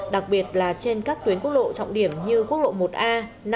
đặc biệt là trên các tuyến quốc lộ trọng điểm như quốc lộ một a năm sáu ba mươi hai